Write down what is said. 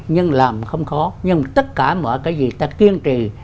nhưng làm không khó nhưng tất cả mọi cái gì ta kiên trì